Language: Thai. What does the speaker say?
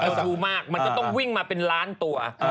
รู้มากมันก็ต้องวิ่งมาเป็นล้านตัว